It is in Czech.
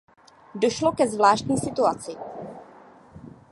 Došlo ke zvláštní situaci.